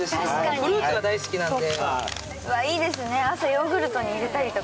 フルーツが大好きなんで。